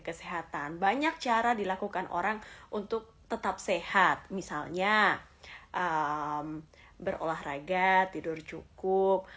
kesehatan banyak cara dilakukan orang untuk tetap sehat misalnya berolahraga tidur cukup